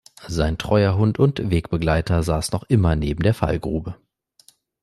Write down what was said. Sein treuer Hund und Wegbegleiter saß noch immer neben der Fallgrube.